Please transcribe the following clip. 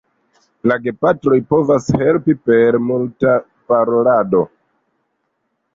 La gepatroj povas helpi per multa parolado.